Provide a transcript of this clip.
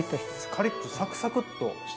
カリッとサクサクッとしてて。